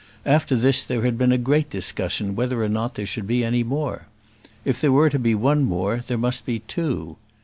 After this there had been here a great discussion whether or not there should be any more. If there were to be one more there must be two.